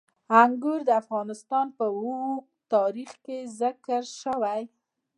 انګور د افغانستان په اوږده تاریخ کې ذکر شوي.